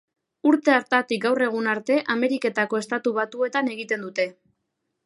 Urte hartatik gaur egun arte Ameriketako Estatu Batuetan egiten dute.